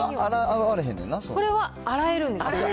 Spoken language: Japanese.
これは洗えるんです。